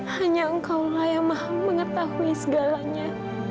hanya engkaulah yang maha mengetahui segalanya